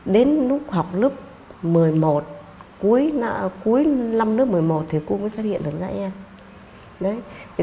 đến lúc học lớp một mươi một cuối năm lớp một mươi một thì cô mới phát hiện được mấy em